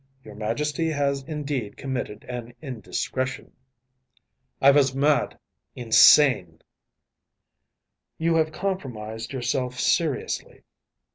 Your Majesty has indeed committed an indiscretion.‚ÄĚ “I was mad‚ÄĒinsane.‚ÄĚ “You have compromised yourself seriously.